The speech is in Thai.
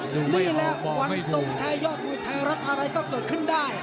นี่แหละวันสมทายยอดวิทยาลัยอะไรก็เกิดขึ้นได้